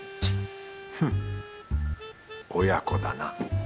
フッ親子だな